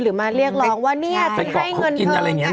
หรือมาเรียกรองว่าเนี่ยจะให้เงินเธอ